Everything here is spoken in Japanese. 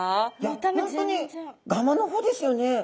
本当に蒲の穂ですよね。